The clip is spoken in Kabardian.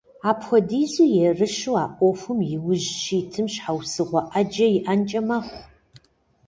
Апхуэдизу ерыщу а Ӏуэхум иужь щӀитым щхьэусыгъуэ Ӏэджэ иӀэнкӀэ мэхъу.